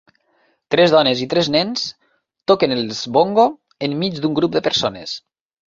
Tres dones i tres nens toquen els bongo en mig d'un grup de persones.